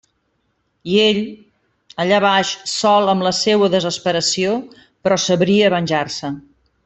I ell... allà baix, sol amb la seua desesperació; però sabria venjar-se.